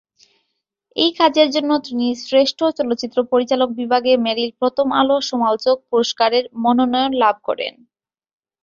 এই কাজের জন্য তিনি শ্রেষ্ঠ চলচ্চিত্র পরিচালক বিভাগে মেরিল-প্রথম আলো সমালোচক পুরস্কারের মনোনয়ন লাভ করেন।